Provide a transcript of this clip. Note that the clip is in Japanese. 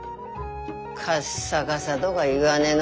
カッサカサどが言わねえの！